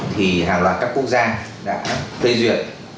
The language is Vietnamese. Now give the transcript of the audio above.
thì hàng loạt các quốc gia đã phê duyệt